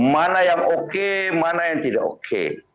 mana yang oke mana yang tidak oke